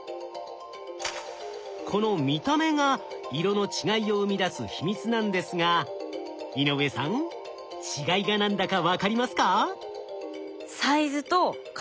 この見た目が色の違いを生み出す秘密なんですが井上さん違いが何だか分かりますか？